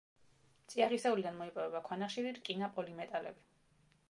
წიაღისეულიდან მოიპოვება ქვანახშირი, რკინა, პოლიმეტალები.